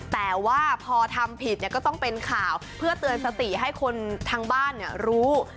แต่ว่าพอทำผิดก็ต้องเป็นข่าวเพื่อเตือนสติให้คนทางบ้านรู้